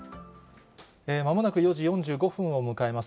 まもなく４時４５分を迎えま